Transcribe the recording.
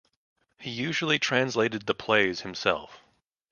He usually translated the plays himself.